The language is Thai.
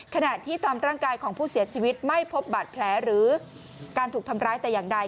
ขณะที่ตามร่างกายของผู้เสียชีวิตไม่พบบาดแผลหรือการถูกทำร้ายแต่อย่างใด